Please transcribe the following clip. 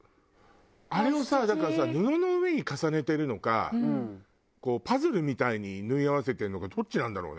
あれをさだからさ布の上に重ねてるのかパズルみたいに縫い合わせてるのかどっちなんだろうね？